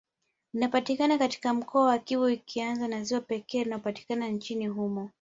Linapatikana katika mkoa wa Kivu likiwa ni ziwa pekee linalopatikana nchini humo